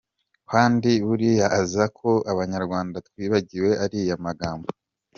Kandi buriya azi ko abanyarwanda twibagiwe ariya magambo!!!